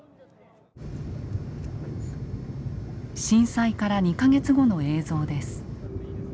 震災から２か月後の映像です。